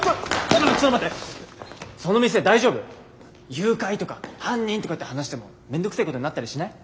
誘拐とか犯人とかって話してもめんどくせえことになったりしない？